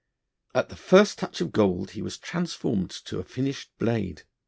At the first touch of gold he was transformed to a finished blade.